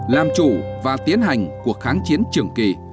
làm chủ và tiến hành cuộc kháng chiến trường kỳ